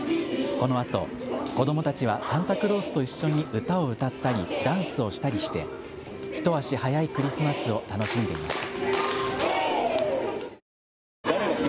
このあと子どもたちはサンタクロースと一緒に歌を歌ったりダンスをしたりして一足早いクリスマスを楽しんでいました。